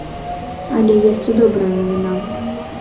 Але ёсць і добрая навіна.